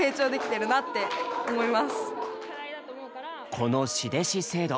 この「師弟子制度」。